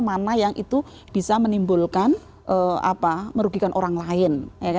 mana yang itu bisa menimbulkan merugikan orang lain